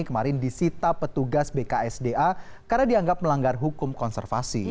kemarin disita petugas bksda karena dianggap melanggar hukum konservasi